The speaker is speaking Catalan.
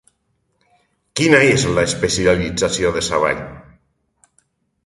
Quina és l'especialització de Savall?